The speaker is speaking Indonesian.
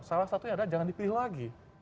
salah satunya adalah jangan dipilih lagi